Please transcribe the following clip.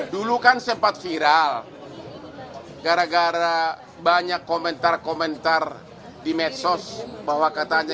dulu kan sempat viral gara gara banyak komentar komentar di medsos bahwa katanya